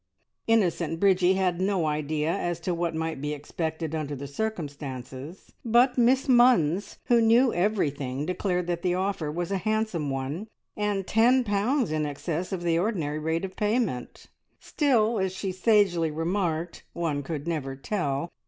Innocent Bridgie had no idea as to what might be expected under the circumstances, but Miss Munns, who knew everything, declared that the offer was a handsome one, and ten pounds in excess of the ordinary rate of payment. Still, as she sagely remarked, one could never tell!